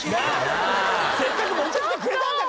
せっかく持ってきてくれたんだから！